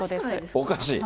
おかしい。